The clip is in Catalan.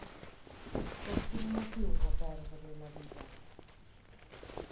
Per quin motiu va perdre la vida?